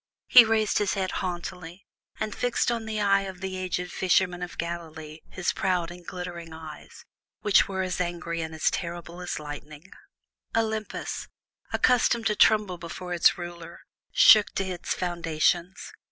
He raised his head haughtily, and fixed on the face of the aged fisherman of Galilee his proud and glittering eyes, which were as angry and as terrible as lightnings. Olympus, accustomed to tremble before its ruler, shook to its foundations.